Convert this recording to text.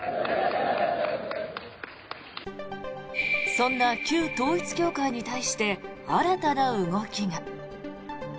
そんな旧統一教会に対して新たな動きが。